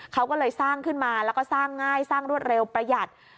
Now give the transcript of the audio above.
เขาก็เลยสร้างขึ้นมาแล้วก็สร้างง่ายสร้างรวดเร็วประหยัด